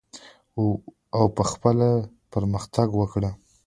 او په خپله پرمختګ وکړه.